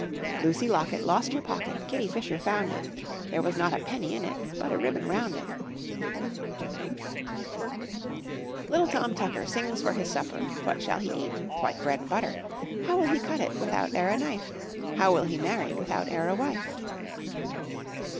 Lucy Locket lost her pocket, Kitty Fisher found it; There was not a penny in it, But a ribbon round it. Little Tom Tucker Sings for his supper. What shall he eat? White bread and butter. How will he cut it Without e'er a knife? How will he marry Without e'er a wife?